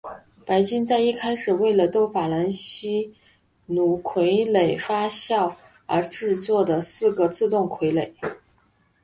白金在一开始为了逗法兰西奴傀儡发笑而制作的四个自动傀儡。